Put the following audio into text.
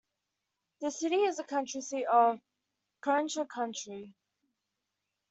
The city is the county seat of Conecuh County.